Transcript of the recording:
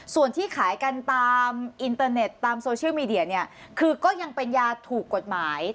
ส่วนที่ขายกันตามอินเตอร์เน็ตตามโซเชียลมีเดียเนี่ยคือก็ยังเป็นยาถูกกฎหมาย